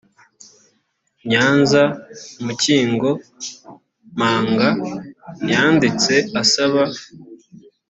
nyanza mukingo mpanga yanditse asaba